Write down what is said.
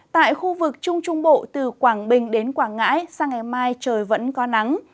tại khu vực trung trung bộ từ quảng bình đến quảng ngãi sang ngày mai trời vẫn có nắng